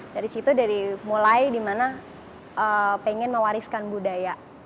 dari situ dari mulai dimana pengen mewariskan budaya